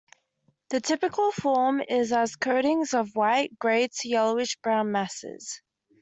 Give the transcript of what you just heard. The typical form is as coatings of white, grey to yellowish brown masses.